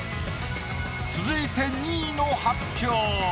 続いて２位の発表。